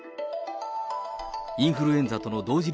インフルエンザとの同時